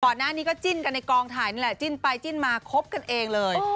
ก่อนหน้านี้ก็จิ้นกันในกองถ่ายนี่แหละจิ้นไปจิ้นมาคบกันเองเลย